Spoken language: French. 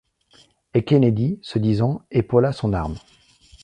Et Kennedy, ce disant, épaula son arme.